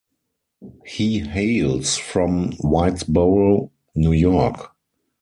He hails from Whitesboro, New York.